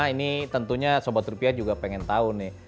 ini tentunya sobat rupiah juga pengen tahu nih